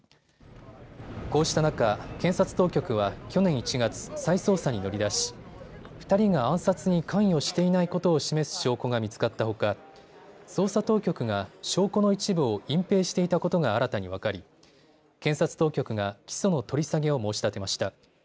こうした中、検察当局は去年１月、再捜査に乗り出し２人が暗殺に関与していないことを示す証拠が見つかったほか捜査当局が証拠の一部を隠蔽していたことが新たに分かり検察当局が起訴の取り下げを申し立てました。